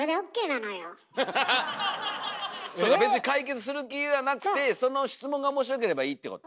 別に解決する気はなくてその質問がおもしろければいいってこと？